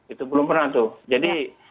itu belum pernah tuh jadi